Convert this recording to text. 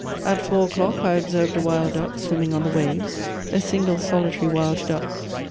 At four o'clock I observed a wild duck swimming on the waves, a single solitary wild duck.